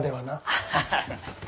アハハハ！